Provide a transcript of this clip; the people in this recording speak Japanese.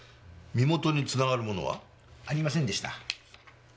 身元に繋がるものは？ありませんでした。